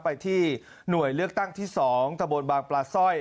ไปที่หน่วยเลือกตั้งที่๒ตะบนบางปลาสร้อย